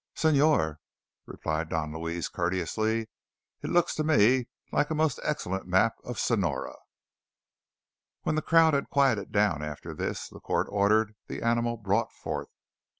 "Señor," replied Don Luis courteously, "it looks to me like a most excellent map of Sonora." When the crowd had quieted down after this, the court ordered the animal brought forth.